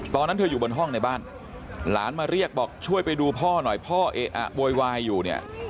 ตอนนั้นเธออยู่บนห้องในบ้านหลานมาเรียกบอกช่วยไปดูพ่อหน่อยพ่อเอ๊ะอะโวยวายอยู่เนี่ย